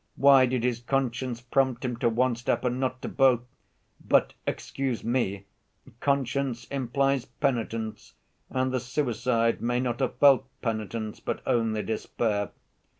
Why did his conscience prompt him to one step and not to both? But, excuse me, conscience implies penitence, and the suicide may not have felt penitence, but only despair.